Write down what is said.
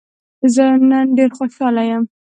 زه نن ډېر خوشحاله يم.